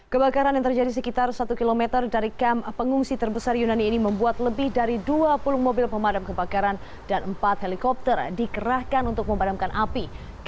kebakaran yang terjadi sekitar satu km dari kamp pengungsi terbesar yunani ini membuat lebih dari dua puluh mobil pemadam kebakaran dan empat helikopter dikerahkan untuk memadamkan api